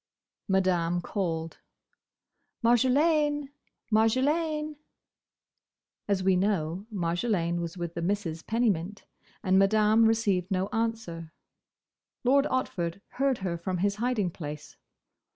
Madame called, "Marjolaine! Marjolaine!" As we know, Marjolaine was with the Misses Pennymint, and Madame received no answer. Lord Otford heard her from his hiding place.